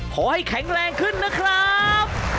ขอให้แข็งแรงขึ้นนะครับ